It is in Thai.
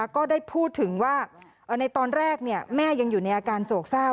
ก็ได้พูดถึงว่าในตอนแรกแม่ยังอยู่ในอาการโศกเศร้า